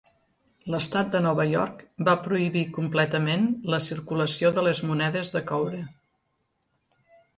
L'Estat de Nova York va prohibir completament la circulació de les monedes de coure.